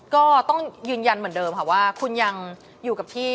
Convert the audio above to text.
ก็ต้องยืนยันเหมือนเดิมค่ะว่าคุณยังอยู่กับที่